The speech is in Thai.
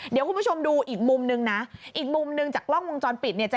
เดี๋ยวคุณผู้ชมดูอีกมุมนึงนะอีกมุมหนึ่งจากกล้องวงจรปิดเนี่ย